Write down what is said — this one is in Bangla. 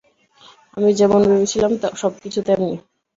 আমি যেমন ভেবেছিলাম সবকিছু তেমনি।